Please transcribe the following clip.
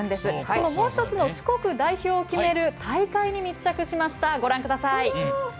そのもう１つの四国代表を決める大会に密着しました。